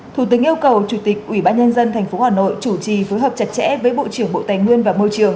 thủ tướng yêu cầu chủ tịch ubnd tp hà nội chủ trì phối hợp chặt chẽ với bộ trưởng bộ tài nguyên và môi trường